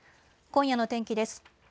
今夜の天気です。